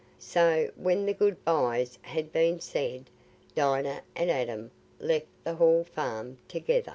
So, when the good byes had been said, Dinah and Adam left the Hall Farm together.